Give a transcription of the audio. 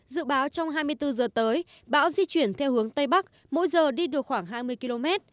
dự báo trong hai mươi bốn giờ tới bão di chuyển theo hướng tây bắc mỗi giờ đi được khoảng hai mươi km